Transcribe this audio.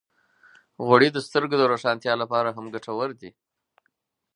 غوړې د سترګو د روښانتیا لپاره هم ګټورې دي.